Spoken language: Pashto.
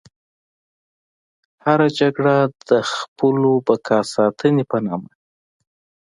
هره جګړه د خپلو بقا ساتنې په نامه.